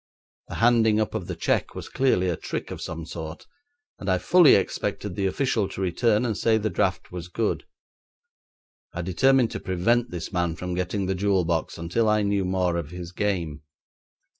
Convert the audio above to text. The handing up of the cheque was clearly a trick of some sort, and I fully expected the official to return and say the draft was good. I determined to prevent this man from getting the jewel box until I knew more of his game.